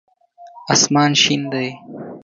اسمان شین دی